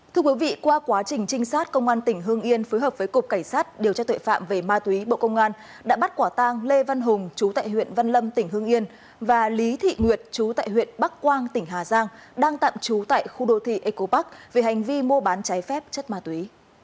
thưa quý vị qua quá trình trinh sát công an tỉnh hương yên phối hợp với cục cảnh sát điều tra tuệ phạm về ma túy bộ công an đã bắt quả tang lê văn hùng chú tại huyện văn lâm tỉnh hương yên và lý thị nguyệt chú tại huyện bắc quang tỉnh hà giang đang tạm trú tại khu đô thị eco park về hành vi mua bán trái phép chất ma túy